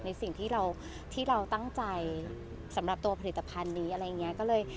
ในสิ่งที่เราตั้งใจสำหรับตัวผลิตภัณฑ์นี้คือเลย